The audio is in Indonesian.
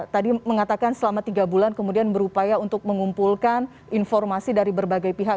tadi mengatakan selama tiga bulan kemudian berupaya untuk mengumpulkan informasi dari berbagai pihak